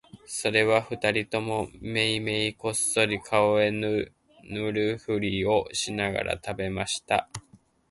それは二人ともめいめいこっそり顔へ塗るふりをしながら喰べました